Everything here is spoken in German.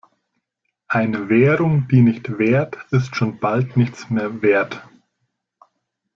Eine Währung, die nicht währt, ist schon bald nichts mehr wert.